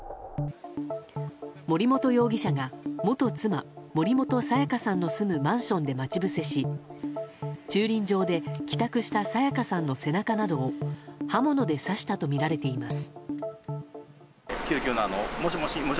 森本容疑者が元妻・森本彩加さんの住むマンションで待ち伏せし駐輪場で帰宅した彩加さんの背中などを刃物で刺したとみられています。